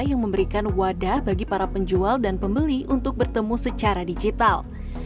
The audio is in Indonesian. yang memberikan wadah bagi para penjual dan pembeli untuk bertemu secara digital